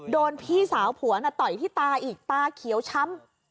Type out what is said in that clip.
โดนพี่สาวพันธุ์ตอยที่ตาอีกตาเขียวช้ำ